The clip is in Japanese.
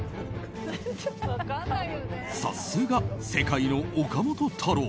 さすが、世界の岡本太郎。